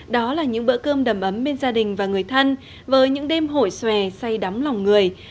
đó là những bữa cơm đầm ấm bên gia đình và người thân với những đêm hội xòe say đắm lòng người